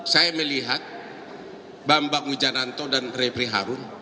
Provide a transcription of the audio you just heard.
saya melihat bambang wijananto dan repri harun